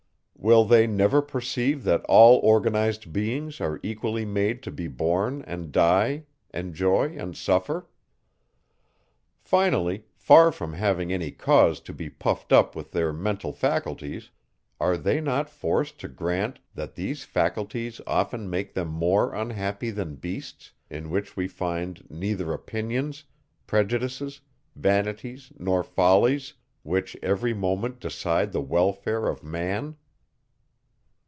Will they never perceive that all organized beings are equally made to be born and die, enjoy and suffer? Finally, far from having any cause to be puffed up with their mental faculties, are they not forced to grant, that these faculties often make them more unhappy than beasts, in which we find neither opinions, prejudices, vanities, nor follies, which every moment decide the welfare of man?